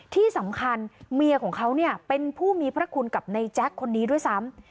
ที่สำคัญเมียของเขาเนี่ยเป็นผู้มีพระคุณกับในแจ๊คคนนี้ด้วยซ้ำ